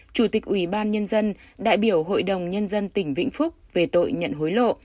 chủ tịch ủy ban nhân dân đại biểu hội đồng nhân dân tỉnh vĩnh phúc về tội nhận hối lộ